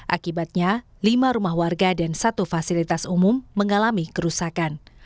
akibatnya lima rumah warga dan satu fasilitas umum mengalami kerusakan